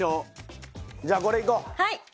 じゃあこれいこう。